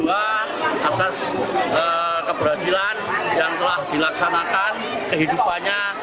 atas keberhasilan yang telah dilaksanakan kehidupannya